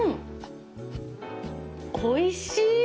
おいしい。